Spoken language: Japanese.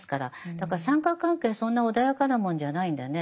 だから三角関係そんな穏やかなもんじゃないんでね